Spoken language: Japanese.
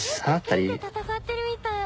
剣と剣で戦ってるみたい。